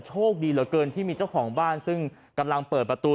โชคดีเหลือเกินที่มีเจ้าของบ้านซึ่งกำลังเปิดประตู